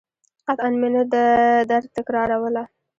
قطعاً مې نه درتکراروله.